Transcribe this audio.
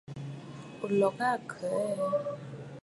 O lɔ̀ɔ̀ aa àkə̀ aa ɛ?